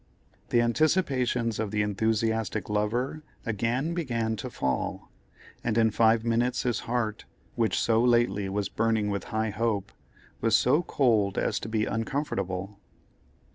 The anticipations of the enthusiastic lover again began to fall, and in five minutes his heart, which so lately was "burning with high hope," was so cold as to be uncomfortable.